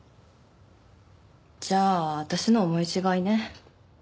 じゃあ私の思い違いね。